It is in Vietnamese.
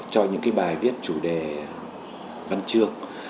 cho những bài viết chủ đề văn chương